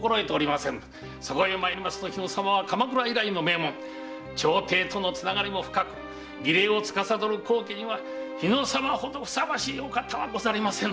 日野様は鎌倉以来の名門朝廷とのつながりも深く儀礼を司る高家には日野様ほどふさわしいお方はござりませぬ。